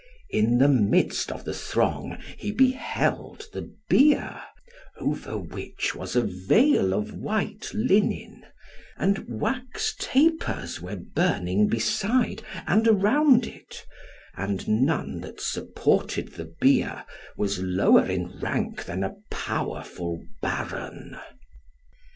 {29a} In the midst of the throng, he beheld the bier, over which was a veil of white linen; and wax tapers were burning beside, and around it, and none that supported the bier was lower in rank than a powerful {29b} Baron.